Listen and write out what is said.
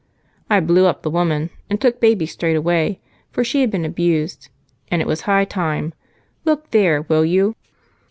I blew up at the woman and took the baby straightaway, for she had been abused. It was high time. Look there, will you?"